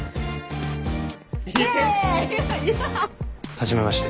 初めまして。